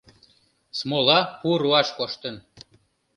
Смола пу руаш коштын.